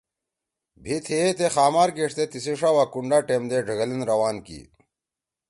بھی تھئے تے خامار گیݜتے تیِسی ݜا وا کونڈا ٹیم دے ڙھگلین روان کی۔